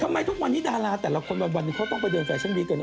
ทำไมทุกวันนี้ดาราแต่ละคนวันเค้าต้องไปดูแฟชั่นวีคกันเนอะ